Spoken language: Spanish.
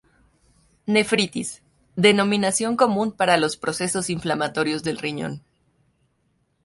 Nefritis, denominación común para los procesos inflamatorios del riñón.